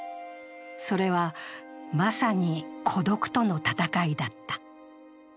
それは、まさに孤独との闘いだった。